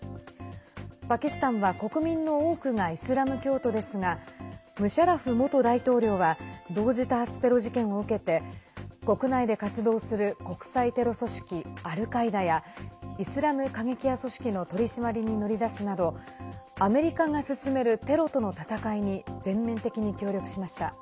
パキスタンは国民の多くがイスラム教徒ですがムシャラフ元大統領は同時多発テロ事件を受けて国内で活動する国際テロ組織アルカイダやイスラム過激派組織の取り締まりに乗り出すなどアメリカが進めるテロとの戦いに全面的に協力しました。